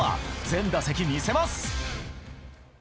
全打席見せます。